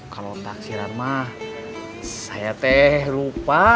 kalau taksiran mah saya teh lupa